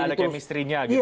sudah ada kemistrinya